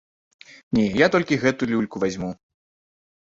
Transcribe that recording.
Не, я толькі гэту люльку вазьму.